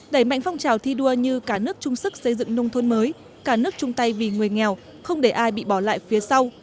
đẩy mạnh phong trào thi đua như cả nước chung sức xây dựng nông thôn mới cả nước chung tay vì người nghèo không để ai bị bỏ lại phía sau